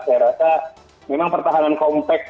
saya rasa memang pertahanan kompleks